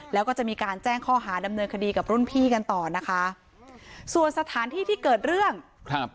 แล้วก็จะมีการแจ้งข้อหาดำเนินคดีกับรุ่นพี่กันต่อนะคะส่วนสถานที่ที่เกิดเรื่องครับ